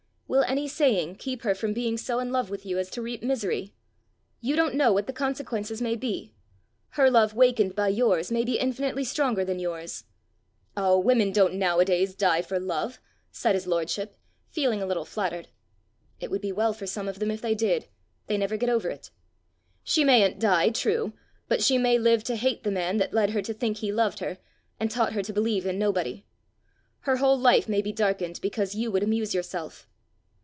"Will any saying keep her from being so in love with you as to reap misery? You don't know what the consequences may be! Her love wakened by yours, may be infinitely stronger than yours!" "Oh, women don't now a days die for love!" said his lordship, feeling a little flattered. "It would be well for some of them if they did! they never get over it. She mayn't die, true! but she may live to hate the man that led her to think he loved her, and taught her to believe in nobody. Her whole life may be darkened because you would amuse yourself."